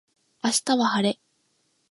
明日は晴れ